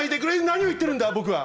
何を言ってるんだ僕は。